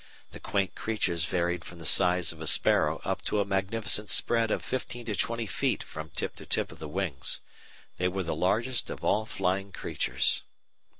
The quaint creatures varied from the size of a sparrow up to a magnificent spread of 15 20 feet from tip to tip of the wings. They were the largest of all flying creatures.